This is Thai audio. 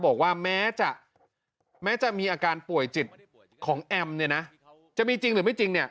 บอกว่าแม้จะมีอาการป่วยจิตของแอมจะมีจริงหรือไม่จริง